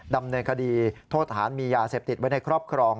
ดำเนินคดีโทษฐานมียาเสพติดไว้ในครอบครอง